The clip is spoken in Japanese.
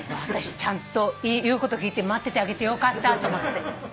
私ちゃんと言うこと聞いて待っててあげてよかったと思って。